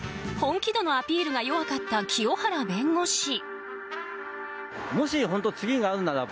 本気度のアピールが弱かった清原弁護士。